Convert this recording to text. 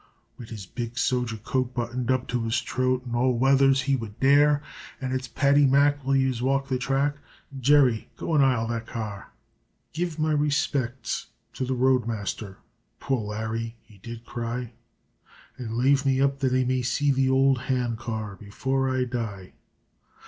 Wid his big soger coat buttoned up to his t'roat, all weathers he would dare An' it's "Paddy Mack, will yez walk the track, An' Jerry, go an' ile that car r r!" "Give my respects to the roadmas ther," poor Larry he did cry, "An lave me up that I may see the ould hand car before I die.